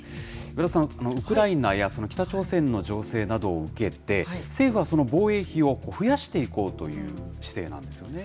岩田さん、ウクライナや北朝鮮の情勢などを受けて、政府はその防衛費を増やしていこうという姿勢なんですよね。